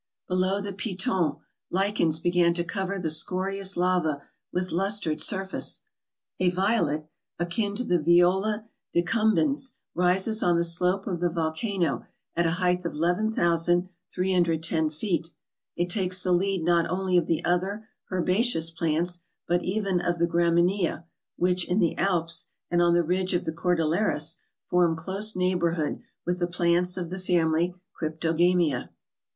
Below the Piton, lichens begin to cover the scorious lava with lustered surface ; a violet, akin to the viola decum bens, rises on the slope of the volcano at a height of 11,310 feet; it takes the lead not only of the other herbaceous plants, but even of the graminea, which, in the Alps and on the ridge of the Cordilleras, form close neighborhood with the plants of the family of cryptogamia.